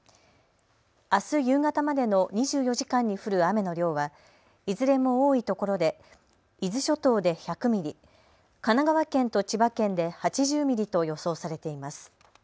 あす夕方までの２４時間に降る雨の量はいずれも多いところで伊豆諸島で１００ミリ、神奈川県と千葉県で８０ミリと予想されています。